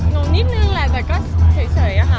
งงนิดนึงแหละแต่ก็เฉยอะค่ะ